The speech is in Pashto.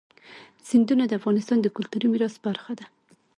سیندونه د افغانستان د کلتوري میراث برخه ده.